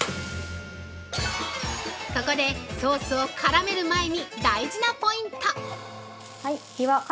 ここでソースを絡める前に大事なポイント！